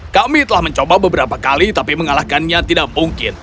kami telah mencoba beberapa kali tapi mengalahkannya tidak mungkin